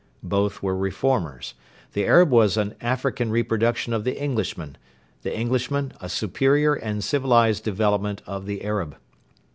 Both were reformers. The Arab was an African reproduction of the Englishman; the Englishman a superior and civilised development of the Arab.